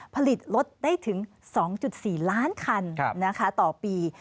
ผลิตรถได้ถึง๒๔ล้านคันนะคะต่อปี